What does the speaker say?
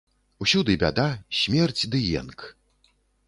Усюды бяда, смерць ды енк.